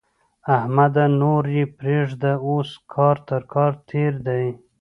احمده! نور يې پرېږده؛ اوس کار تر کار تېر دی.